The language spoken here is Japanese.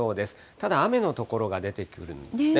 ただ、雨の所が出てくるんですね。